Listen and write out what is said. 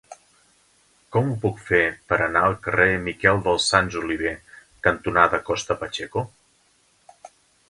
Com ho puc fer per anar al carrer Miquel dels Sants Oliver cantonada Costa Pacheco?